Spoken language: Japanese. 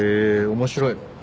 面白いの？